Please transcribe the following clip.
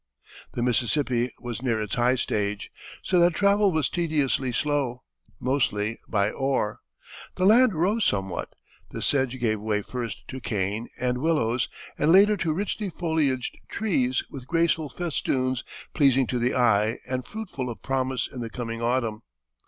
The Mississippi was near its high stage, so that travel was tediously slow, mostly by oar. The land rose somewhat, the sedge gave way first to cane and willows, and later to richly foliaged trees with graceful festoons pleasing to the eye and fruitful of promise in the coming autumn.